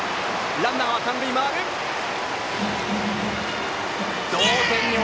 ランナーは三塁へ。